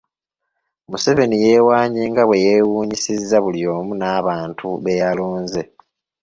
Museveni yeewaanye nga bwe yeewuunyisizza buli omu n’abantu be yalonze.